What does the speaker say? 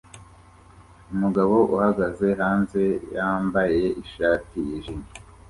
Umugabo uhagaze hanze yambaye ishati yijimye